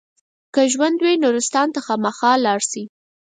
که ژوندي وئ نورستان ته خامخا لاړ شئ.